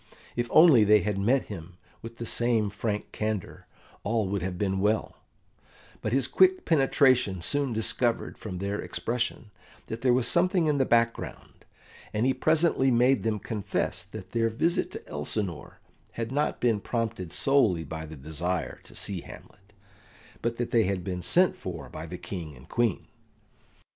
If only they had met him with the same frank candour, all would have been well; but his quick penetration soon discovered from their expression that there was something in the background, and he presently made them confess that their visit to Elsinore had not been prompted solely by the desire to see Hamlet, but that they had been sent for by the King and Queen.